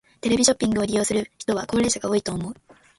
テレビショッピングを利用する人は高齢者が多いと思う。